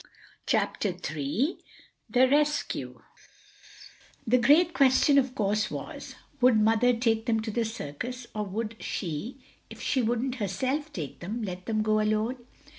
CHAPTER THREE The Rescue THE GREAT QUESTION, of course, was—Would Mother take them to the circus, or would she, if she wouldn't herself take them, let them go alone?